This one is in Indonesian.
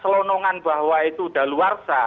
selonongan bahwa itu udah luarsa